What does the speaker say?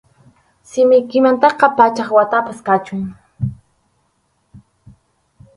Simiykimantaqa pachak watapas kachun.